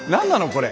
これ。